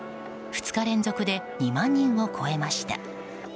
２日連続で２万人を超えました。